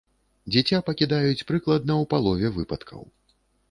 Дзіця пакідаюць прыкладна ў палове выпадкаў.